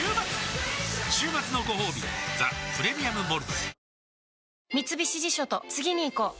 週末のごほうび「ザ・プレミアム・モルツ」